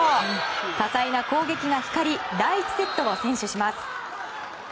多彩な攻撃が光り第１セットを先取します。